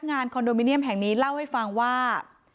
คอนโดมิเนียมแห่งนี้เล่าให้ฟังว่า